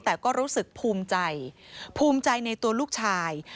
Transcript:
แต่ก็รู้สึกภูมิใจภูมิใจในตัวลูกชาย